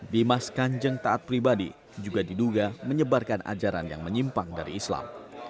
dimas kanjeng taat pribadi juga diduga menyebarkan ajaran yang menyimpang dari islam